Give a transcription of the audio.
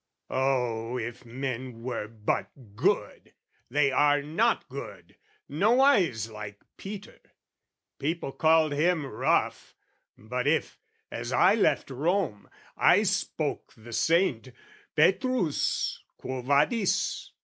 Oh, if men were but good! They are not good, Nowise like Peter: people called him rough, But if, as I left Rome, I spoke the Saint, "Petrus, quo vadis?"